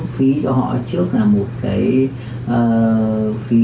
phí cho họ trước là một cái phí